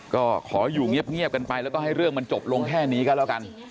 ก็ขออยู่เงียบกันไปแล้วก็ให้เรื่องมันจบลงแค่นี้ก็แล้วกัน